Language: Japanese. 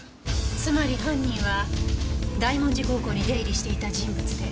つまり犯人は大文字高校に出入りしていた人物で。